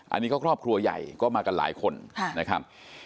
อันนี้ก็ครอบครัวใหญ่ก็มากันหลายคนนะครับ